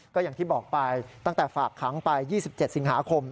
ก็อย่างที่บอกไปตั้งแต่ฝากขังไป๒๗สิงหาคม